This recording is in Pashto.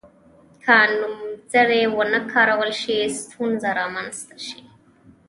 که نومځري ونه کارول شي ستونزه رامنځته شي.